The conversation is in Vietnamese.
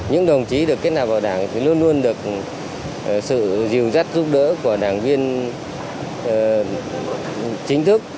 những đồng chí được kết nạp vào đảng thì luôn luôn được sự dìu dắt giúp đỡ của đảng viên chính thức